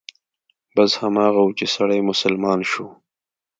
بس هماغه و چې سړى مسلمان شو.